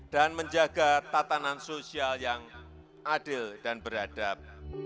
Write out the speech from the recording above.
dan menjaga tatanan sosial yang adil dan beradab